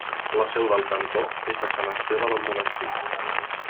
La seu del cantó és a Sant Esteve del Monestir.